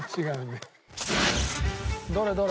どれどれ？